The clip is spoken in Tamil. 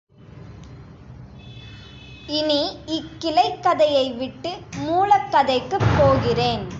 இனி இக் கிளைக் கதையை விட்டு மூலக் கதைக்குப் போகிறேன்.